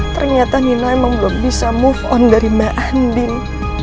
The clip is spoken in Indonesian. ternyata nino memang belum bisa move on dari mbak ending